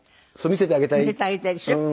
見せてあげたいでしょ？